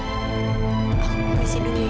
aku beres res dulu ya